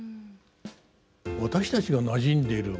私たちがなじんでいる